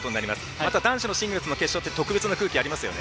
また男子のシングルスの決勝って特別な空気ありますよね。